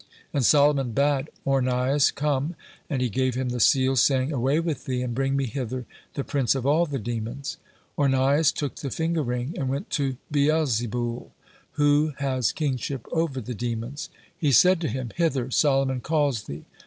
And Solomon bade Ornias come, and he gave him the seal, saying: "Away with thee, and bring me hither the prince of all the demons." Ornias took the finger ring, and went to Beelzeboul, who has kingship over the demons. He said to him: "Hither! Solomon calls thee."